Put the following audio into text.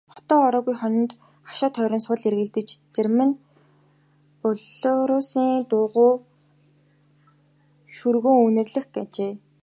Хотондоо ороогүй хоньд хашаа тойрон сул эргэлдэж зарим нь белоруссын дугуй шөргөөн үнэрлэх ажээ.